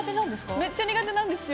めっちゃ苦手なんですよ。